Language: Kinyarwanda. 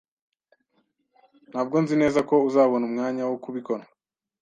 Ntabwo nzi neza ko uzabona umwanya wo kubikora